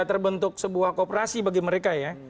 terbentuk sebuah kooperasi bagi mereka ya